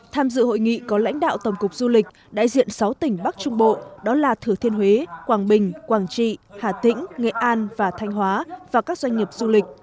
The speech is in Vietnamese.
tham dự hội nghị có lãnh đạo tổng cục du lịch đại diện sáu tỉnh bắc trung bộ đó là thừa thiên huế quảng bình quảng trị hà tĩnh nghệ an và thanh hóa và các doanh nghiệp du lịch